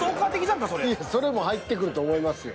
それも入ってくると思いますよ。